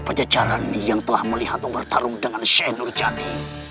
pajajaran yang telah melihatmu bertarung dengan syekh nurjati